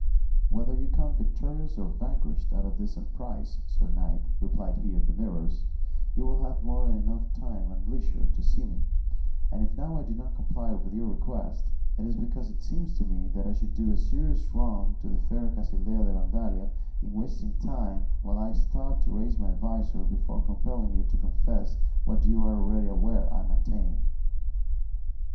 "Whether you come victorious or vanquished out of this emprise, sir knight," replied he of the Mirrors, "you will have more than enough time and leisure to see me; and if now I do not comply with your request, it is because it seems to me I should do a serious wrong to the fair Casildea de Vandalia in wasting time while I stopped to raise my visor before compelling you to confess what you are already aware I maintain."